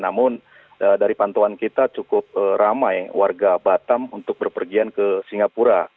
namun dari pantauan kita cukup ramai warga batam untuk berpergian ke singapura